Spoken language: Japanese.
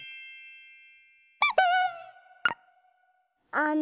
あの。